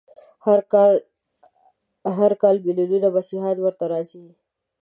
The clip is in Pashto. هر کال ملیونونه مسیحیان ورته راځي.